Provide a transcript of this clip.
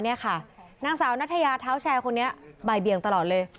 นี่ค่ะนางสาวนัทยาเท้าแชร์คนนี้บ่ายเบียงตลอดเลย